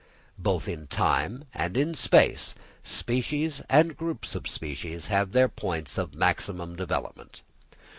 Both in time and space species and groups of species have their points of maximum development.